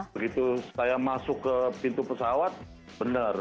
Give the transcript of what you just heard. begitu saya masuk ke pintu pesawat benar